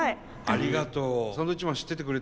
ありがとう。